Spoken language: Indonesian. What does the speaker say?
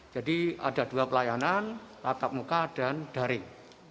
jadi ada dua pelayanan tatap muka dan daring